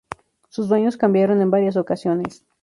Sus dueños cambiaron en varias ocasiones.